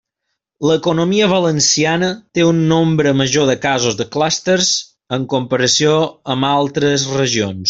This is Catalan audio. L'economia valenciana té un nombre major de casos de clústers en comparació amb altres regions.